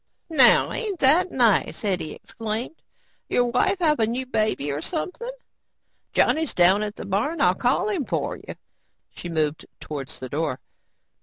"Now ain't that nice," Hetty exclaimed. "Your wife have a new baby or something? Johnny's down at the barn. I'll call him for you." She moved towards the door.